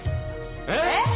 えっ⁉